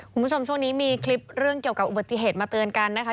คุณผู้ชมช่วงนี้มีคลิปเรื่องเกี่ยวกับอุบัติเหตุมาเตือนกันนะคะ